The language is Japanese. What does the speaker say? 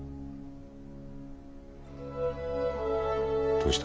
どうした？